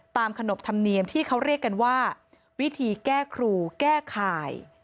ขนบธรรมเนียมที่เขาเรียกกันว่าวิธีแก้ครูแก้ข่าย